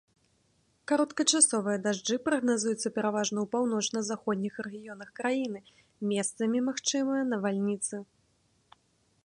Кароткачасовыя дажджы прагназуюцца пераважна ў паўночна-заходніх рэгіёнах краіны, месцамі магчымыя навальніцы.